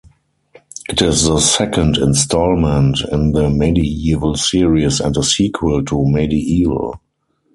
It is the second instalment in the "MediEvil" series and a sequel to "MediEvil".